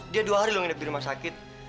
dia dua hari lu nginep di rumah sakit